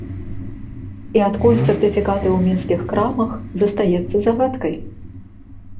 І адкуль сертыфікаты ў мінскіх крамах, застаецца загадкай.